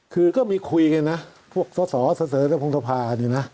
คือก็มีคุยกันนะพวกสศเสริษฐกพงธภานะ